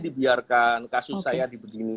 dibiarkan kasus saya di begini